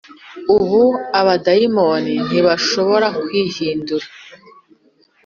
Ubu abadayimoni ntibashobora kwihindura